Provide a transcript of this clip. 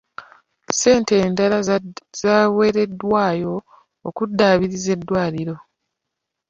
Ssente endala zaaweereddwayo okuddaabiriza eddwaliro.